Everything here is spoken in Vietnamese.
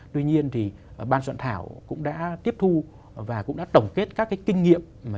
tuy nhiên thì ban soạn thảo cũng đã tiếp thu và cũng đã tổng kết các cái kinh nghiệm